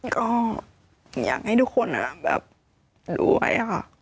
ก็อยากให้ทุกคนดูไว้